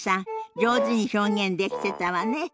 上手に表現できてたわね。